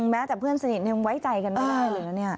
แม้แต่เพื่อนสนิทยังไว้ใจกันไม่ได้เลยนะเนี่ย